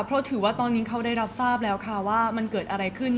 เพราะถือว่าตอนนี้เขาได้รับทราบแล้วค่ะว่ามันเกิดอะไรขึ้น